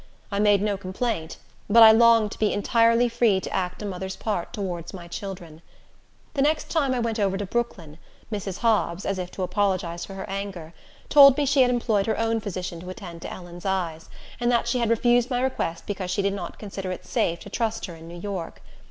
I made no complaint, but I longed to be entirely free to act a mother's part towards my children. The next time I went over to Brooklyn, Mrs. Hobbs, as if to apologize for her anger, told me she had employed her own physician to attend to Ellen's eyes, and that she had refused my request because she did not consider it safe to trust her in New York.